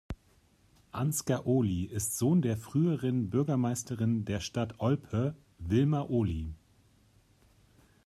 Ansgar Ohly ist Sohn der früheren Bürgermeisterin der Stadt Olpe, Wilma Ohly.